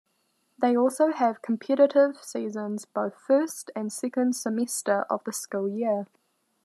They also have competitive seasons both first and second semester of the school year.